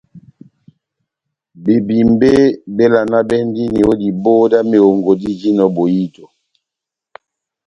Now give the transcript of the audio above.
Bebímbe bévalanabɛndini ó diboho dá mehongo dijinɔ bohito.